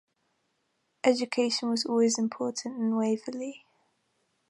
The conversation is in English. Education was always important in Waverly.